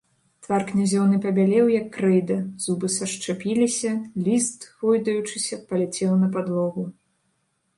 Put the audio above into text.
Твар князёўны пабялеў, як крэйда, зубы сашчапіліся, ліст, гойдаючыся, паляцеў на падлогу.